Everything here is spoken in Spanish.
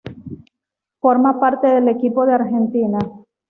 Forma parte del equipo de Argentina.